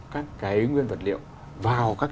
các cái nguyên vật liệu vào các